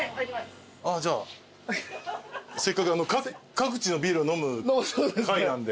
各地のビールを飲む会なんで。